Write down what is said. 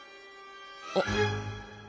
あっ。